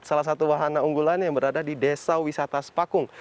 salah satu wahana unggulan yang berada di desa wisata sepakung